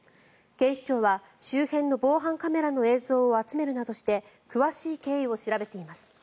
警視庁は周辺の防犯カメラの映像を集めるなどして詳しい経緯を調べています。